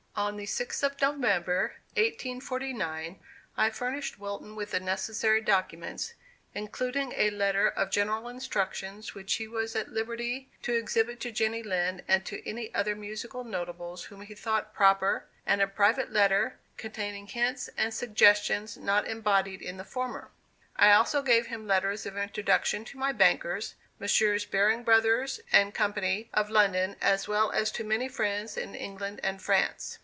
On the 6th of November, 1849, I furnished Wilton with the necessary documents, including a letter of general instructions which he was at liberty to exhibit to Jenny Lind and to any other musical notables whom he thought proper, and a private letter, containing hints and suggestions not embodied in the former. I also gave him letters of introduction to my bankers, Messrs. Baring Brothers & Co., of London, as well as to many friends in England and France.